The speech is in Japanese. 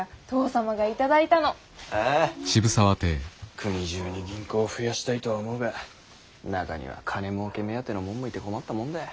国中に銀行を増やしたいとは思うが中には金もうけ目当てのもんもいて困ったもんだ。